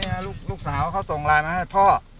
หลังจากนั้น